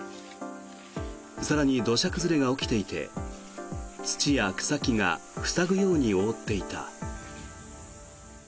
更に、土砂崩れが起きていて土や草木が塞ぐように覆っていた。